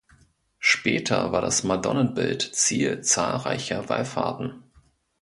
Später war das Madonnenbild Ziel zahlreicher Wallfahrten.